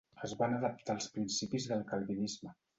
Es van adaptar als principis del calvinisme.